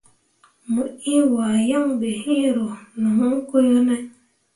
Mo ĩĩ wahe yaŋ be iŋ ro ne hũũ ko yo ne ?